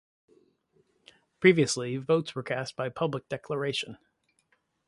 Previously, votes were cast by public declaration.